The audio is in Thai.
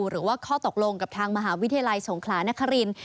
หรือว่าข้อตกลงกับทางมหาวิทยาลัยสงขลานคริน